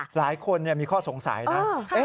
หลายคนมีข้อสงสัยนะ